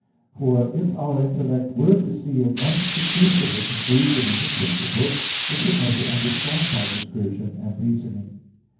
For if our intellect were to see at once the truth of the conclusion in the principle, it would never understand by discursion and reasoning.